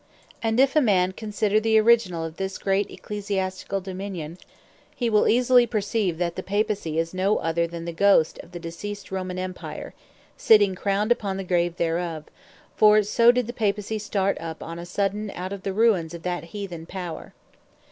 And if a man consider the originall of this great Ecclesiasticall Dominion, he will easily perceive, that the Papacy, is no other, than the Ghost of the deceased Romane Empire, sitting crowned upon the grave thereof: For so did the Papacy start up on a Sudden out of the Ruines of that Heathen Power.